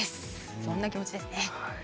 そんな気持ちですね。